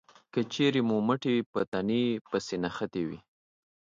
که چېرې مو مټې په تنې پسې نښتې وي